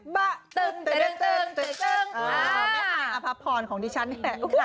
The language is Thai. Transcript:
แม่หายอภพรของดิฉันนี่แหละ